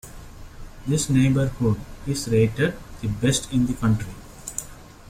This neighbourhood is rated the best in the country.